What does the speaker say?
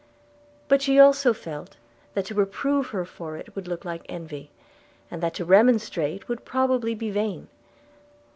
But she felt also, that to reprove her for it would look like envy, and that to remonstrate would probably be vain.